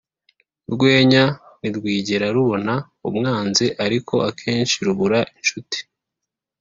urwenya ntirwigera rubona umwanzi ariko akenshi rubura inshuti.